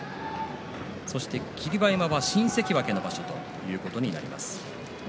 そして霧馬山は新関脇の場所ということになります。